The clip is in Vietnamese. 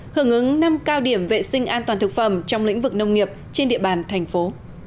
hưởng ứng năm cao điểm vệ sinh an toàn thực phẩm trong lĩnh vực nông nghiệp trên địa bàn thành phố